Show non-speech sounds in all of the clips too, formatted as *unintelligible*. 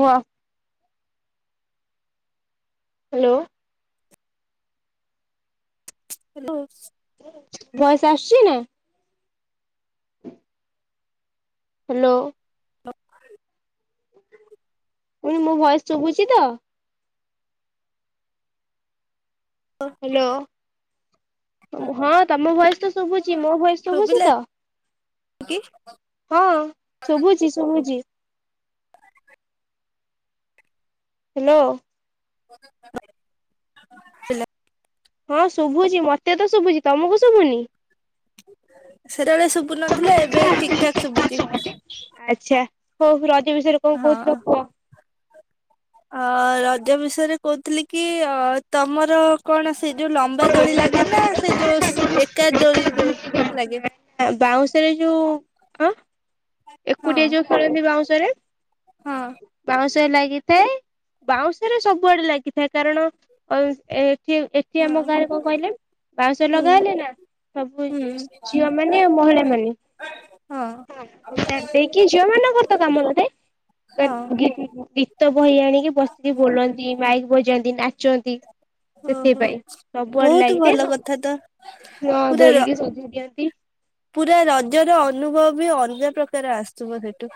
ଉଅ। Hello. *inaudible* ବୟେସ୍ ଆସୁଚି ନା? Hello. *inaudible* ମୁଁ କଲି ମୋ ଭୟେସ୍ ଚୁବୁଚି ତ? ହଁ ତମ ଭୟେସ୍ ତ ଶୁଭୁଚି ମୋ ଭୟେସ୍ ସୁବୁଚି ଶୁଭିଲା ତ? କି? ହଁ ଶୁଭୁଚି ଶୁଭୁଚି। ହାଲୋ। *inaudible* ହଁ ସୁଭୁଚି ମତେ ତ ସୁଭୁଚି ତମକୁ ସୁଭୁନି? ସେତେବେଳେ ଶୁଭୁନଥିଲା ଏବେ ଠିକ୍ ଠାକ୍ ସୁବୁଚି। ଆଚ୍ଛା ହଉ ରଜ ବିଷୟରେ କଣ ହଁ। କହୁଥିଲ କୁଅ। ଅ ରଜ ବିଷୟରେ କହୁଥିଲି କି ଅ ତମର କଣ ସେ ଯୋଉ ଲମ୍ବା ଦୋଳି ଲାଗେ ନା ସେ ଯୋଉ ଏକା ଦୋଳି ଯୋଉ ଲାଗେ। ବାଉଁଶରେ ଯୋଉ ଆଁ। ହଁ ଏକୁଟିଆ ଯୋଉ ଖେଳନ୍ତି ବାଉଁଶରେ ହଁ ତେ ଲାଗିଥାଏ ବାଉଁଶରେ ସବୁଆଡେ ଲାଗିଥାଏ। କାରଣ ଅ ଏଠି ଏ ଏଠି ହଁ। ଆମ ଗାଁରେ କଣ କହିଲେ ବାଉଁଶ ଲଗା ହୁଁ ହୁଏନି ନା ସବୁ ହୁଁ। ଏ ଝିଅ ମାନେ ଆଉ ମହିଳା ମାନେ। ହଁ। ହଁ ଦେଇକି ଝିଅ ମାନଙ୍କର ତ କାମ କରେ। ହଁ *unintelligible* ଗୀତ ବହି ଆଣିକି ବସିକି ବୋଲନ୍ତି ମାଇକ୍ ବଜାନ୍ତି ନା ଚନ୍ତି। ଓହୋ ସେଥିପାଇଁ ସବୁଆଡେ ବହୁତ ଭଲ ଲାଗିଥାଏ ସ କଥା ତ ହ ପୁରା ର ଦୋଳିକି *unintelligible* ଦିଅ ପୁରା ରଜର ଅନୁଭବ ବି ଅଲଗା ପ୍ରକାର ଆସୁଥିବ ସେଠୁ।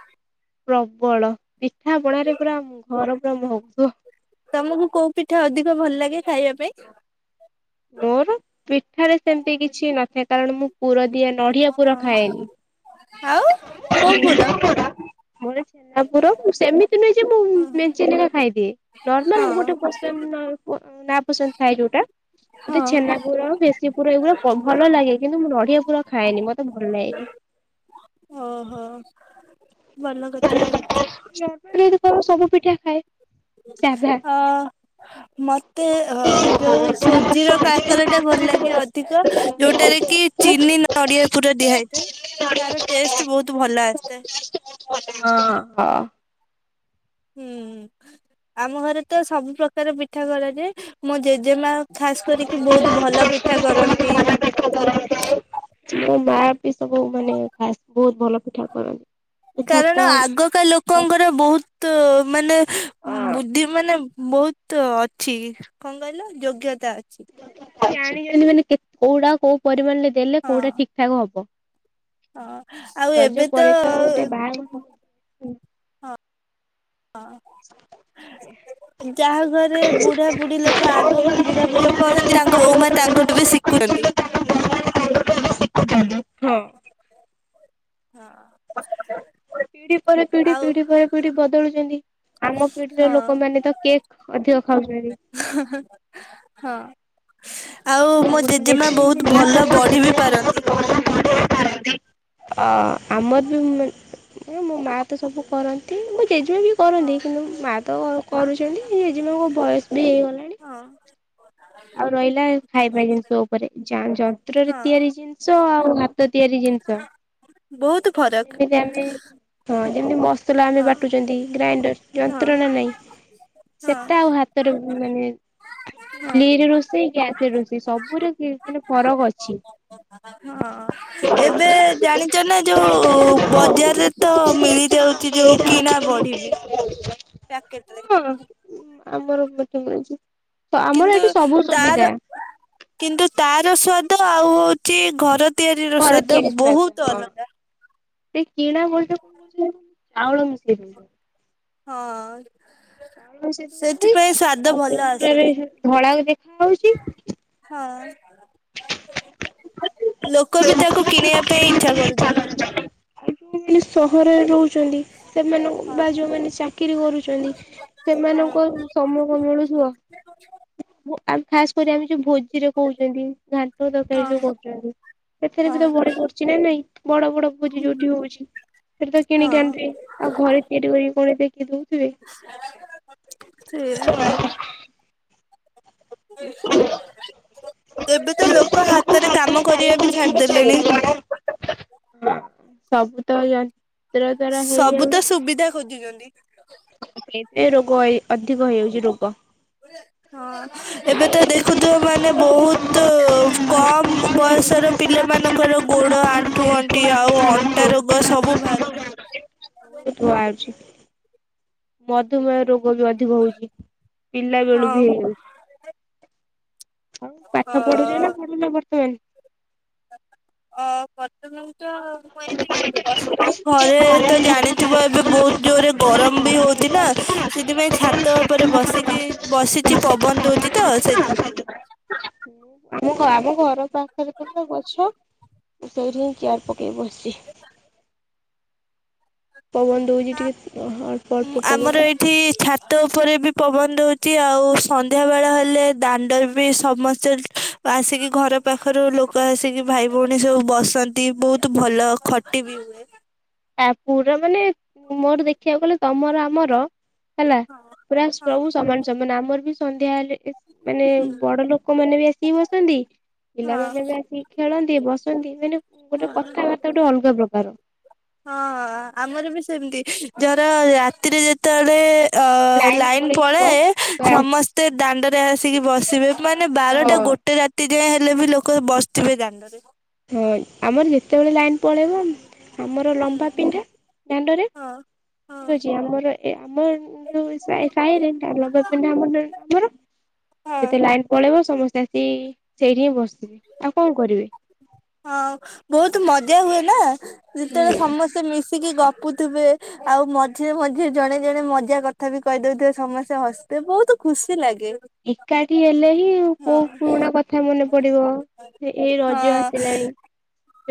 ପ୍ରବଳ ପିଠା ପଣାାରେ ପୁରା ଘର ପୁରା ମହକୁ ଥୁବ। ତମୁକୁ କୋଉ ପିଠା ଅଧିକ ଭଲ ଲାଗେ ଖାଇବା ପାଇଁ? ମୋର ପିଠାରେ ସେମତି କିଛି ନଥାଏ କାରଣ ମୁଁ ପୁର ଦିଆ ନଡିଆ ହଁ। ପୁର ଖାଏନି। ଆଉ କୋଉ ପୁର? *inaudible* ମୋର ଛେନାପୁର ମୁଁ ସେମିତି ନୁହଁ ଯେ ମୁଁ ହଁ ମେଞ୍ଚେନେଖା ଖାଇଦିଏ। ନର୍ମାଲ ଗୋଟେ *unintelligible* ନା ପସନ୍ଦ ଥାଏ ଯୋଉଟା। ମତେ ହଁ। ଛେନା ପୁର ଭେଶୀ ପୁର ଏଇଗୁଡା ଭଲ ଲାଗ କିନ୍ତୁ ମୁଁ ନଡିଆ ପୁର ଖାଏନି ମତେ ଭଲ ଲାଗେନି। ଓହୋ ଭଲ କଥା। ମୋତେ ଯଦି କହିବ ସବୁ ପିଠା ଖାଏ ସାଧା। ଅ ମତେ ହ ଯୋଉ ସୁଜିର କାକରାଟା ଭଲ ଲାଗେ ଅଧିକ ଯୋଉଟାରେ କି ଚିନି ନଡ଼ିଆ ପୁରା ଦିଆ ହେଇଥାଏ ତାର ଟେଷ୍ଟ ବହୁତ ଭଲ ଆସିଥାଏ। ହଁ ହଁ। ହୁଁ ଆମ ଘରେ ତ ସବୁ ପ୍ରକାର ପିଠା କରାଯାଏ। ମୋ ଜେଜେମା ଖାସ୍ କରିକି ବହୁତ ଭଲ ପିଠା କରନ୍ତି। *inaudible* ମୋ ମା ବିି ସବୁ ମାନେ ଖାସ୍ ବହୁତ ଭଲ ପିଠା କରନ୍ତି। ଏଥର ତ କାରଣ ଆଗକା ଲୋକଙ୍କର ବହୁତ ମାନେ ବୁଦ୍ଧି ମାନେ ବହୁତ ଅଛି କଣ କହିଲ ଯୋଗ୍ୟତା ଅଛି। ଜାଣି ଜାଣି ମାନେ କୋଉଟା କୋଉ ପରିମାଣରେ ଦେଲେ ହଁ କୋଉଟା ଠିକ ଠାକ ହବ। ହଁ ଆଉ ଏବେ ରଜ ପରେ ତ ଗୋଟେ ବାହା ହଁ ଯାହା ଘରେ ବୁଢା ବୁଢୀ ଲୋକ ଆଗ ବୁଢ ବୁଢ଼ୀ କରନ୍ତି ତାଙ୍କ ବୋଉ ମା ତାଙ୍କଠୁ ବି ଶିଖୁଛନ୍ତି। ହଁ ହୁଁ। ପିଢି ପରେ ପିଢି ପିଢି ପରେ ପିଢି ବଦଳୁଛନ୍ତି। ଆମ ପିଢିର ହଁ। ଲୋକମାନେ ତ କେକ୍ ଅଧିକ ଖାଉଛନ୍ତି। ହଁ। ଆଉ ମୋ ଗୋଟେ ଜେଜେମା ମେସିନ୍ ବହୁତ ଜିନିଷ ଭଲ ବଢି ବି ପାରନ୍ତି। ଅ ଆମର ବି ମୋ ମା ତ ସବୁ କରନ୍ତି ମୁଁ ଜେଜେମାେ ବି କରନ୍ତି ହଁ। କିନ୍ତୁ ମା ତ କରୁଛନ୍ତି ଜେଜେମାଙ୍କ ବୟସ ବି ହେଇଗଲାଣି। ହଁ। ଆଉ ରହିଲା ଖାଇବା ଜିନିଷ ଉପରେ ଯନ୍ତ୍ରରେ ହଁ। ତିଆରି ଜିନି ଆଉ ହାତ ତିଆରି ଜିନିଷ ବହୁତ ଫରକ ଯେମିତି ଆମେ ହଁ ଯେମିତି ମସଲା ଆମେ ବାଟୁଛନ୍ତି ହଁ। ଗ୍ରାଇଣ୍ଡର ହଁ ଯନ୍ତ୍ରଣା ନାହିଁ ହଁ ସେଟା ଆଉ ହାତ ର ମାନେ ହଁ। ଚୁଲିରେ ରୋଷେଇ ଗ୍ୟାସରେ ରୋଷେଇ ସବୁରେ ମାନେ ଫରକ ଅଛି। ହଁ। ଏବେ ଜାଣିଛ ନା ଯୋଉ ବଜାରରେ ତ ମିଳି ଯାଉଛି ଯୋଉ କିଣା ବଢି? *inaudible* ପ୍ୟାକେଟ୍ରେ। ହଁ। ଆମର କେତେ ମିଳିଚି ତ ଆମର - କିନ୍ତୁ ତାର କିନ୍ତୁ ତାର ସ୍ଵାଦ ଆଉ ହଉଛି ଘର ତିଆରି ର ଘରେ ସ୍ଵାଦ ତିଆରି ସ୍ୱାଦ ବହୁତ ହଁ। ଅଲଗା। ସେ କିଣା ମଇଦାରେ ଚାଉଳ ମିଶେଇ ଦଉଛନ୍ତି। ହଁ। କଣ ସେ ଦ ବି ସେଥିପାଇଁ ସ୍ଵାଦ ଆଉ ଭଲ ସେ ଦରେ ଆସୁନି। ଧଳା ଦେଖା ହଉଛି। ହଁ। ଲୋକ ବି ତାକୁ କିଣିବା ପାଇଁ ଇଚ୍ଛା କରୁଛନ୍ତି। ଆଉ ଯୋଉମାନେ ସହରରେ ରହୁଛନ୍ତି ସେମାନଙ୍କୁ ହଁ। ବା ଯୋଉମାନେ ଚାକିରୀ କରୁଚନ୍ତି ହଁ। ସେମାନଙ୍କୁ ଆଉ ସମୟ କଣ ମିଳୁଥିବ? ଖାସ କରି ଆମେ ଯୋଉ ଭୋଜିରେ କହୁଛନ୍ତି ଘାଣ୍ଟ ତର ଯୋଉ ହଁ କରୁ ସେଥିରେ ବି ତ ହଁ। ବଡି ପଡୁଚି ନା ନାହିଁ ବଡ଼ ବଡ଼ ଭୋଜି ଯୋଉଠି ହଉଚି। ସେଠି ତ କିଣିକି ହଁ। ଆଣିଥିବେ ଆଉ ଘରେ ତିଆରି କରିକି କଣ ଦେଖି ଦଉଥିବେ। ସେଇଆ। ଏବେ ତ ଲୋକ ହାତରେ କାମ କରିବା ବି ଛାଡିଦେଲେଣି। ସବୁ ତ ଯନ୍ତ୍ର ଦ୍ଵାରା ସବୁ ତ ହେଇଯାଉଛି। ସୁବିଧା ଖୋଜୁଛନ୍ତି। ଏବେ ରୋଗ ଅଧିକ ହେଇଯାଉଛି ରୋଗ। ହଁ। ହଁ ଏବେ ତ ଦେଖୁଥିବ ମାନେ ବହୁତ କମ୍ ବୟସର ପିଲାମାନଙ୍କର ଗୋଡ ଆଣ୍ଠୁ ଗଣ୍ଠି ଆଉ ଅଣ୍ଟା ରୋଗ ସବୁ ବାହାରି ଥୁଆ ହଉଚି। ମଧୁମେହ ରୋଗ ବି ଅଧିକ ହଉଛି ପିଲା ବେଳୁ ହଁ ବି ହେଇଯାଉଛି। ଆଉ ପାଠ ପଢୁଛ ନା ଅ ପଢୁନ ବର୍ତ୍ତମାନ? ଅ ବର୍ତ୍ତମାନ ତ ମୁଁ ଏଠିକି ବସିଛି ଘରେ ତ ଜାଣିଥିବ ଏବେ ବହୁତ ଜୋରେ ଗରମ ବି ହଉଛି ନା ସେଥିପାଇଁ ଛାତ ଉପରେ ବସିକି ବସି ଛି ପବନ ଦଉଛି ତ ସେଇଥିପାଇଁ। ମୁଁ ଆମ ଘର ପାଖରେ ଥିଲା ଗଛ ମୁଁ ସେଇଠି ହିଁ ଚେୟାର ପକେଇ ବସିଚି। ପବନ ଦେଉଛି ଟିକେ ଅଳ୍ପ ଅଳ୍ପ ପବନ ଏଠି ଛାତ ଉପରେ ବି ପବନ ଦେଉଛି ଆଉ ସନ୍ଧ୍ୟାବେଳ ହେଲେ ଦାଣ୍ଡର ବି ସମସ୍ତେ ଆସିକି ଘର ପାଖରୁ ଲୋକ ଆସିକି ଭାଇ ଭଉଣୀ ସବୁ ବସନ୍ତି ବହୁତ ଭଲ ଖ ଟି ବି ହୁଏ। ଆ ପୁରା ମାନେ ମୋର ଦେଖିବାକୁ ଗଲେ ତମର ଆମର ହେଲା ହଁ ପୁରା ହଁ ସବୁ ସମାନ ସମାନ ଆମର ବି ସନ୍ଧ୍ୟା ହେଲେ ମାନେ ହୁଁ ବଡ ଲୋକ ମାନେ ବି ଆ ସିକି ବସନ୍ତି ହଁ। ପିଲାମାନେ ବି ଆସିକି ଖେଳନ୍ତି ବସନ୍ତି ମାନେ ଗୋଟେ ହଁ। କଥା ତା ଗୋଟେ ଅଲଗା ପ୍ରକାର। ହଁ ଆମର ବି ସେମିତି ଧର ରାତିରେ ଯେତେବେଳେ ଅ ଲାଇନ ଲାଇନ୍ ପଳେଇଥିବ ପଳାଏ ହଁ ସମସ୍ ତେ ଦାଣ୍ଡରେ ଆସିକି ବସିବେ ମାନେ ବାରଟା ଗୋଟେ ରାତି ତି ଯେତେ ଯାହା ହେଲେ ବି ଲୋକ ବସିଥିବେ ଦାଣ୍ଡରେ। ହଁ ଆମର ଯେତେବେଳେ ଲାଇନ ପଳେଇବ ଆମର ଲମ୍ବା ହୁଁ ପିଣ୍ଢା ଦାଣ୍ଡରେ ହଁ ହଁ। ଠିକ ଅଛି ଆମର ଏ ଆମର ଯୋଉ ସାହିରେ ଲମ୍ବା ପିଣ୍ଢା କେବଳ ଆମର ହଁ। ଯେତେ ଲାଇନ ପଳେଇବ ସମସ୍ତେ ଆସି ସେଇଠି ହିଁ ବସିଥିବେ ଆଉ କଣ କରିବେ। ହଁ ବହୁତ ମଜା ହୁଏ ନା ଯେତେବେଳେ ସମସ୍ତେ ମିଶିକି ଗପୁଥିବେ। ଆଉ ମଝିରେ ମଝିରେ ଜଣେ ଜଣେ ମଜା କଥା ବି କହିଦଉଥିବେ ସମସ୍ତେ ହସୁଥିବେ ବହୁତ ଖୁସି ଲାଗେ। ଏକାଠି ହେଲେ ହିଁ ହଁ କୋଉ ପୁରୁଣା କଥା ମନେ ପଡିବ। ଏଇ ରଜ ହଁ। ଆସିଲାଣି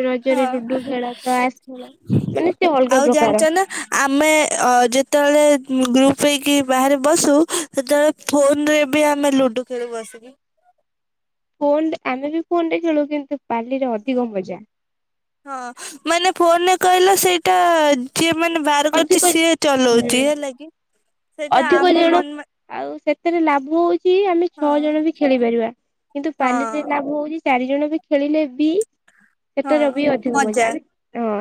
ରଜରେ ହଁ ଲୁଡୁ ଖେଳ ତାସ ଖେଳ ମାନେ ସେ ଅଲଗା ଆଉ ପ୍ରକାର ଜାଣିଛ ନା ଆମେ ଯେତେବେଳେ ଗ୍ରୁପ ହେଇକି ବାହାରେ ବସୁ ସେତେବେଳେ ଫୋନ ରେ ବି ଆମେ ଲୁଡୁ ଖେଳୁ ବସିକି। ଫୋନ ଆମେ ବି ଫୋନଟେ ଖେଳୁ କିନ୍ତୁ ପାଲିରେ ଅଧିକ ମଜା ହଁ ମାନେ ଫୋନରେ କହିଲ ସେଇଟା ଯିଏ ମାନେ ବାତ୍ କରୁଛି ଅଧିକ ସିଏ ଚଲଉଛି ହେଲା କିି ସେଇଟା ଅଧିକ ଆମ ଜଣ ମନ ଆଉ ସେଥିରେ ଲାଭ ହଉଛି ଆମେ ହଁ ଛଅ ଜଣ ବି ଖେଳି ପାରିବା କିନ୍ତୁ ହଁ ପାଲିରେ ଲାଭ ହଉଛି। ଚାରି ଜଣ ବି ଖେଳିଲେ ବି ହଁ ସେଟର ବି ଅଧିକ ମଜା ଆ ହଁ।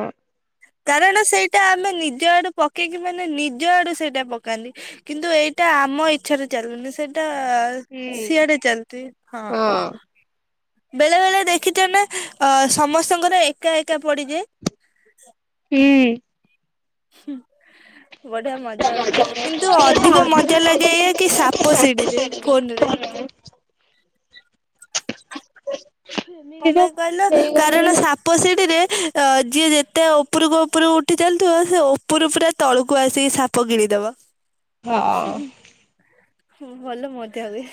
କାରଣ ସେଇଟା ଆମେ ନିଜ ଆଡୁ ପକେଇକି ମାନେ ନିଜ ଆଡୁ ସେଇଟା ପକାନ୍ତି। କିନ୍ତୁ ଏଇଟା ଆମ ଇଛାରେ ଚାଲୁନି ସେଇଟା। ହୁଁ ଶିଆଡେ ଚାଲତି ହଁ। ବେଳେ ବେଳେ ଦେଖିଛ ନା ଅ ସମସ୍ତଙ୍କର ଏକା ଏକା ପଡିଯ ହୁଁ। ହ ବଢିଆ ମଜା ହୁଏ କିନ୍ତୁ ଅଧିକ ମଜା ଲାଗେ ଏୟା କି ସାପ ସିଢିରେ ଫୋନ ରେ ଏମିତି କଣ ତ ପାଇଁ କହିଲ ସେଇ କ କାରଣ *unintelligible* ସାପ ସିଡିରେ ଯିଏ ଯେତେ ଉପରକୁ ଉପରକୁ ଉଠି ଚାଲିଥିବ ସେ ଉପର ପୁରା ତଳକୁ ଆସିକି ସା ପ ଗିଳିଦବ ଭଲ ମଜା ହୁଏ।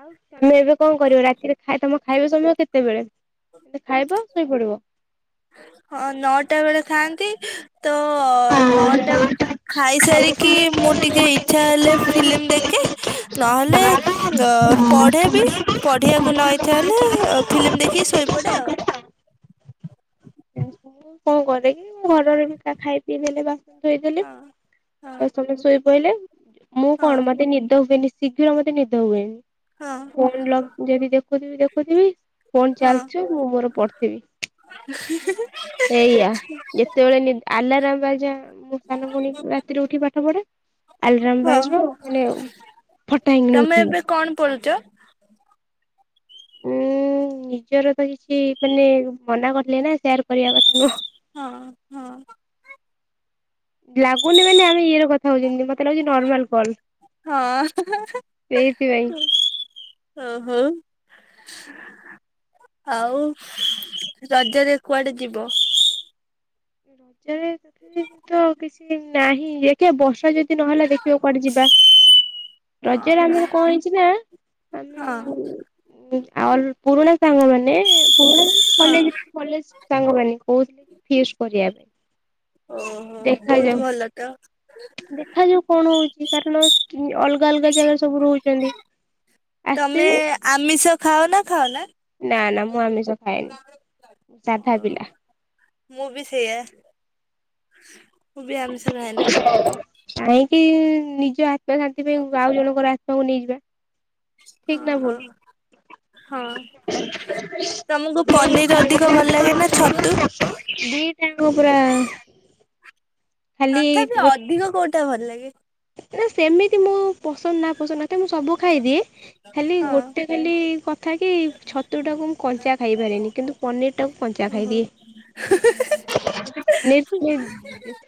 ଆଉ ତମେ ଏବେ କଣ କରିବ ରାତିରେ ଖାଇ ତମ ଖାଇବା ସମୟ କେତ ତେବେଳେ କିନ୍ତୁ ଖାଇବ ଶୁଇପଡିବ। ହଁ ନଅଟା ବେଳେ ଖାଆନ୍ତି ତ ନଅଟା ଖାଇସାରିକି ମୁଁ ଟିକେ ଇଚ୍ଛା ହେଲେ ଫିଲ୍ମ ଦେଖେ ନହେଲେ ଅ ପଢେ ବି ପଢିବାକୁ ନ ଇଚ୍ଛା ହେଲେ ଫିଲ୍ମ ଦେଖିକି ଶୋଇପଡେ ଆଉ। *unintelligible* କଣ କରେ କିି ଘରେ ଘରିକା ଖାଇ ପିଇ ଦେଲେ ବା ଧୋଇଦେଲେ ହଁ ତା ହଁ ସମୟ ଶୋଇ ପଇଲେ ମୁଁ ହଁ କଣ ମତେ ନିଦ *unintelligible* ଶୀଘ୍ର ମତେ ନିଦ ହଁ ହୁଏନି ଫୋନ ବ୍ଲକ ଯଦି ଦେଖୁଥିବି ଦେଖୁଥିବି ଫୋନ ହଁ। ଚାଲଚୁ ମୁଁ ମୋର ପଡ଼ିଥିବି। *unintelligible* ଏଇଆ ଯେତେବେଳେ ନି ଆଲାରାମ ବା ଯା ମୁଁ ସାନଭଉଣୀ ରାତିରେ ଉଠି ପାଠ ପଢ଼େ। ଆଲାରାମ ହଁ ବାଜିବ ମାନେ ଫଟାକ ହେଇ ତମେ ଉଠିବ। ଏବେ କଣ ପଳୁଛ? ଉୁଁ ନିଜର ତ କିଛି ମାନେ ମନା କରିଥିଲେ ନା ସେୟାର କରିବା କଥା ନୁହଁ। ହଁ ହଁ। ଲାଗୁନି ମାନେ ଆମେ ଇଏ ରେ କଥା ହଉଛନ୍ତି ମତ ତେ ଲାଗୁଛି ନର୍ମାଲ କଲ ହଁ ଏଥିପାଇଁ ଓ ହୋ। ଆଉ ରଜରେ କୁଆଡେ ଯିବ? ରଜରେ *unintelligible* ତ କିଛି ନାହିଁ ଦେକିଆ ବର୍ଷା ଯଦି ନହେଲେ ଦେଖିବା କୁଆଡେ ଯିବା। ହଁ ରଜରେ ଆମର କଣ ହେଇଛି ନା ହଁ ଆମେ ଆଲ ପୁରୁଣା ସାଙ୍ଗ ମାନେ ପୁରୁଣା କଲେଜରେ କଲେଜ ସାଙ୍ଗମାନେ କହୁଥିଲେ ଫିଷ୍ଟ କରିବା ପାଇଁ। ଓହୋ ଦେଖାଯାଉ ବହୁତ ଭଲ ତ ଦେଖାଯାଉ କଣ ହଉଚି କାରଣ ଅଲଗ ଅଲଗା ଜାଗାରେ ସବୁ ରହୁଛନ୍ତି ତମେ ଆସିବେ ଆମିଷ ଖାଅ ନା ଖାଅ ନା? ନା ନା ମୁଁ ଆମିଷ ଖାଏନି ସାଧାପିଲା। ଓହୋ। ମୁଁ ବି ସେଇଆ ମୁଁ ବି ଆମିଷ ଖାଏନା। କାହିଁକି ନିଜ ଆତ୍ମା ଶାନ୍ତି ପାଇଁ ଆଉ ଜଣଙ୍କର ଆତ୍ମାକୁ ନେଇଯିବା। ଠିକ ନା ଓହୋ ଭୁଲ? ହଁ। ତମକୁ ପନିର ଅଧିକ ଭଲ ଲାଗେ ନା ଛତୁ? ତାଙ୍କୁପୁରା ତଥାପି ଗୋ ଅଧିକ କୋଉଟା ଭଲ ଲାଗେ। ନା ସେମିତି ମୁଁ ପସନ୍ଦ ନା ପସନ୍ଦ ମତେ ମୁଁ ସବୁ ଖାଇଦିଏ ଖାଲି ହଁ ଗୋଟେ ଖାଲି କଥା କି ଛତୁଟାକୁ ମୁଁ କଞ୍ଚା ଖାଇପାରିନି କିନ୍ତୁ ପନିର ଟାକୁ କଞ୍ଚା ଓହୋ। ଖାଇଦିଏ ନିର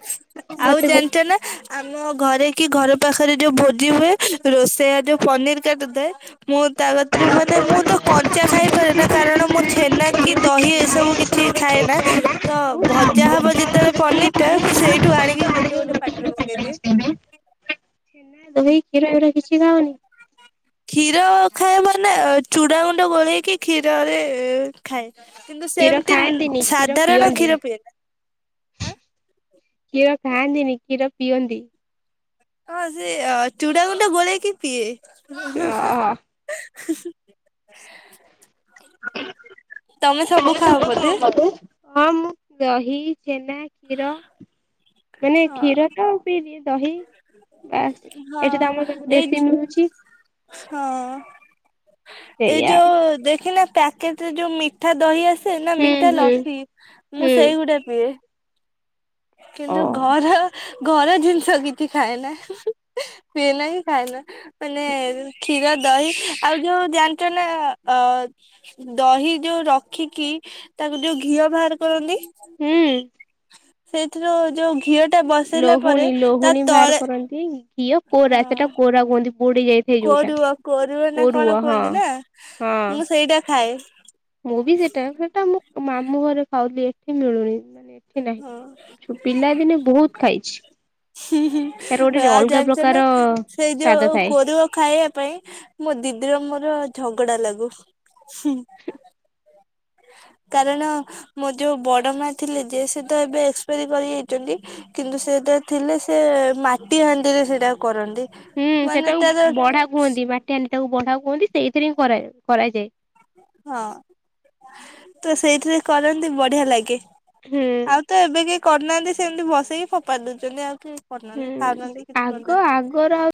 ଆଉ ଜାଣିଛ ନା ଆମ ଘରେ କି ଘର ପାଖରେ ଯୋଉ ଭୋଜି ହୁଏ ରୋଷେଇଆ ଯୋଉ ପନିର କାଟିଥାଏ। ମୁଁ ତା କରୁ ମାନେ ମୁଁ ତ କଞ୍ଚା ଖାଇପାରେ ନା କାରଣ ମୁଁ ଛେନା କି ଦହି ଏସବୁ କିଛି ଖାଏ ନା। ତ ଭଜା ହବ ଯେତେବେଳେ ପନିର ଟା ସେଇଠୁ ଆଣିକି ଗୋଟେ ଗୋଟେ ପାଟିରେ ପକେଇ ଦିଏ। ଛେନା ଦହି କ୍ଷୀର ଏରା କିଛି ଖାଅନି? କ୍ଷୀର ଖାଇବ ନା ଚୁଡ଼ା ଗୁଣ୍ଡ ଗୋଳେଇକି କ୍ଷୀରରେ ଖାଏ କିନ୍ତୁ କ୍ଷୀର ସେମିତି ଖାଆନ୍ତିନି କ୍ଷୀର ସାଧାରଣ ପିଅନ୍ତି। କ୍ଷୀର ପିଏ ନା। କ୍ଷୀର ଖାଆନ୍ତିନି କ୍ଷୀର ପିଅନ୍ତି। ହଁ ସେ ଚୁଡ଼ା ଗୁଣ୍ଡ ଗୋଳେଇକି ପିଏ। ଅ ତମେ ସବୁ ଖାଅ ବୋଧେ। ହଁ ମୁଁ ଦହି ଛେନା କ୍ଷୀର ମାନେ କ୍ଷୀର ହଁ ତ ଦହି ବାସ୍ ଏଠି ତ ଆମର ସବୁ ଏଇ ଦେଶୀ ମିଳୁଛି ହଁ ଏଇ ସେଇଆ। ଯୋଉ ଦେଖିନ ପ୍ୟାକେଟରେ ଯୋଉ ମିଠା ଦହି ଆସେ ନା ହୁଁ ମିଠା ହୁଁ ଲସି ମୁଁ ହୁଁ ସେଇଗୁଡା ପିଏ। କିନ୍ତୁ ଘର ଘର ଜିନିଷ କିଛି ଖାଏ ନା ପିଏ ନା ହିଁ ଖାଏ ନା। ମାନେ କ୍ଷୀର ଦହି ଆଉ ଯୋଉ ଜାଣିଛ ନା ଅ ଦହି ଯୋଉ ରଖିକି ତାକୁ ଯୋଉ ଘିଅ ବାହାର କରନ୍ତି ହୁଁ। ସେଇଥିରୁ ଯୋଉ ଘିଅ ଟା ବସେଇଲା ପରେ ଲୋହୁଣୀ ତା ଲୋହୁଣୀ ବାହାର ତଳେ କରନ୍ତି ଘିଅ କୋରା ହଁ ସେଟା କୋରା କୁହନ୍ତି ପୁଡି ଯାଇ କୋରୁଅ କୋରୁଅ ନା କଣ କୁହନ୍ତି ନା ହଁ। ମୁଁ ସେଇଟା ଖାଏ। ମୁଁ ବି ସେଟା ସେଟା ମୁଁ ମାମୁଁ ଘରେ ଖାଉଥିଲି ଏଠି ମିଳୁନି ମାନେ ଏଠି ହଁ ନାହିଁ। ପିଲା ଦିନେ ବହୁତ ଖାଇଛି। ତାର ଗୋଟେ ଆଉ ଅଲଗା ଜାଣିଛ ପ୍ରକାର ନା ସେଇ ସ୍ଵାଦ ଯୋଉ ଥାଏ କରିବ ଖାଇବା ପାଇଁ ମୋ ଦିଦିର ମୋର ଝଗଡା ଲାଗୁ। କାରଣ ମୋ ଯୋଉ ବଡ ମା ଥିଲେ ଯିଏ ସେ ତ ଏବେ ଏକ୍ସପାରୀ କରି ଯାଇଛନ୍ତି କିନ୍ତୁ ସେଟା ଥିଲେ ସେ ମାଟି ହାଣ୍ଡିରେ ସେଟା କରନ୍ତି ହୁଁ ମାନେ ତାର ସେଟାକୁ ବଢା କୁହନ୍ତି ମାଟି ହଣ୍ଡି ଟାକୁ ବଢା କୁହନ୍ତି ସେଇଥିରେ ହିଁ କରାଯାଏ। ହଁ ତ ସେଇଥିରେ କରନ୍ତି ବଢିଆ ଲାଗେ। ହୁଁ। ଆଉ ତ ଏବେ କେହି କରିନାହାନ୍ତି ସେମିତି ବସେଇକି ଫୋପା ଦଉଛନ୍ତି ଆଉ କେ କରିନାହାନ୍ତି ହୁଁ ଖାଉହାନ୍ତି କିଛି ଆଗ କରିନାହାନ୍ତି। ଆଗର